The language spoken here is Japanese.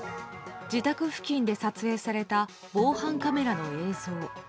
自宅付近で撮影された防犯カメラの映像。